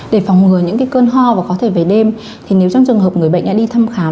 để phòng ngừa những cơn ho và có thể về đêm thì nếu trong trường hợp người bệnh đã đi thăm khám